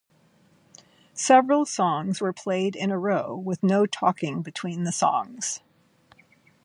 Several songs were played in a row, with no talking between the songs.